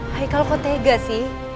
heikal kok tega sih